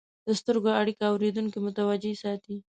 د سترګو اړیکه اورېدونکي متوجه ساتي.